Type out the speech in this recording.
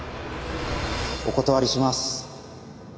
お断りします。